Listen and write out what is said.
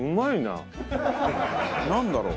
なんだろう？